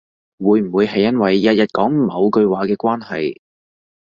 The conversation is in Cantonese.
會唔會係因為日日講某句話嘅關係